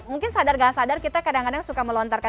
mungkin sadar gak sadar kita kadang kadang suka melontarkan